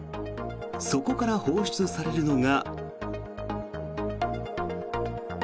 そこから放出されるのが。